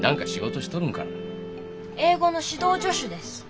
英語の指導助手です。